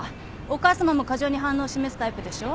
お母さまも過剰に反応を示すタイプでしょ？